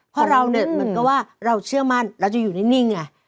เพราะเราเนี่ยเหมือนกับว่าเราเชื่อมั่นเราจะอยู่นิ่งไง